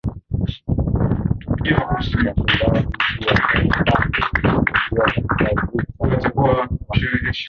ya kuigawa nchi ya Marekani iliingia katika Vita Kuu ya Kwanza